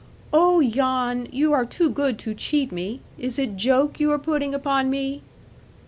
'Oh, Jan, you are too good to cheat me. Is it joke you are putting upon me?'